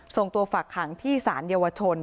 ส่งตัวฝักหางที่ศรรยาวชน